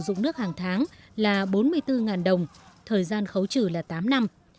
dụng nước hàng tháng là bốn mươi bốn đồng thời gian khấu trừ là tám năm